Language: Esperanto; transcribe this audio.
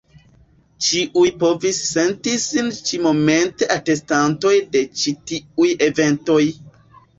Ĉiuj povis senti sin ĉi-momente atestantoj de ĉi tiuj eventoj.